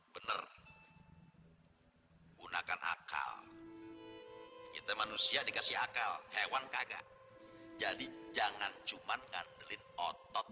bener gunakan akal kita manusia dikasih akal hewan kagak jadi jangan cuman ngandelin otot